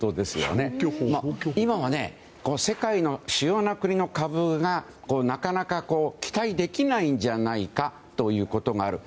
今も、世界の主要な国の株がなかなか期待できないんじゃないかということがある。